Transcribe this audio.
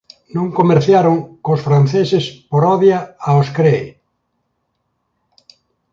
Non comerciaron cos franceses por odia aos cree.